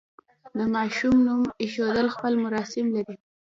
د ماشوم نوم ایښودل خپل مراسم لري.